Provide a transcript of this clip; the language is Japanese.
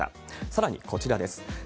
さらに、こちらです。